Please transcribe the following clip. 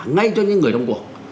ngay cho những người đồng cuộc